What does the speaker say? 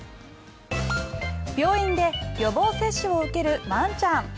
病院で予防接種を受けるワンちゃん。